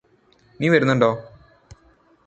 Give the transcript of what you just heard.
നീ വരുന്നുണ്ടോ?